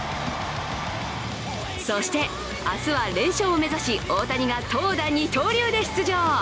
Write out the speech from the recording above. そして、明日は連勝を目指し大谷が投打二刀流で出場。